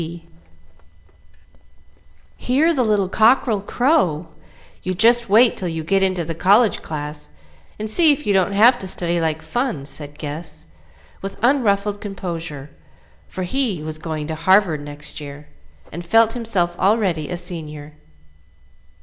B.B.C. "Hear the little cockerel crow! you just wait till you get into the college class, and see if you don't have to study like fun," said Gus, with unruffled composure, for he was going to Harvard next year, and felt himself already a Senior.